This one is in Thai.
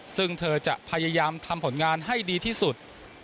ซึ่งเธอจะพยายามทำผลงานให้ดีที่สุด